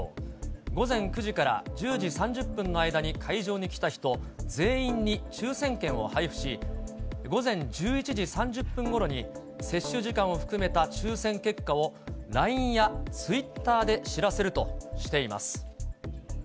午前９時から１０時３０分の間に会場に来た人全員に抽せん券を配布し、午前１１時３０分ごろに、接種時間を含めた抽せん結果を、ＬＩＮＥやツイッターで知らせるとしています。